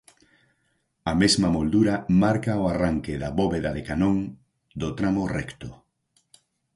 A mesma moldura marca o arranque da bóveda de canón do tramo recto.